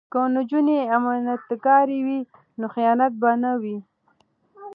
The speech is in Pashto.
که نجونې امانتکارې وي نو خیانت به نه وي.